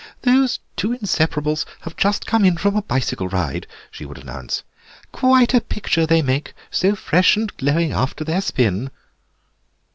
"Those two inseparables have just come in from a bicycle ride," she would announce; "quite a picture they make, so fresh and glowing after their spin."